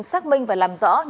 xác minh và làm giải quyết